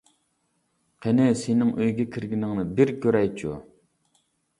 قېنى سېنىڭ ئۆيگە كىرگىنىڭنى بىر كۆرەيچۇ!